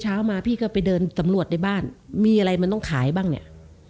เช้ามาพี่ก็ไปเดินสำรวจในบ้านมีอะไรมันต้องขายบ้างเนี่ย